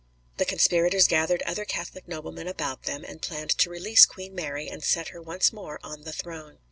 The conspirators gathered other Catholic noblemen about them, and planned to release Queen Mary and set her once more on the throne.